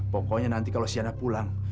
pokoknya nanti kalau si yana pulang